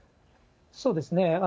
そうですね。